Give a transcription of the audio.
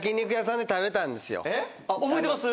覚えてます